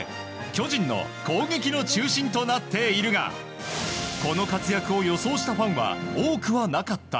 巨人の攻撃の中心となっているがこの活躍を予想したファンは多くはなかった。